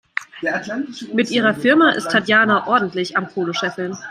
Mit ihrer Firma ist Tatjana ordentlich am Kohle scheffeln.